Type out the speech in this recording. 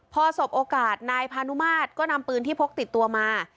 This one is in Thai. พอสบโอกาสนายพานุมาตรก็นำปืนที่พกติดตัวมา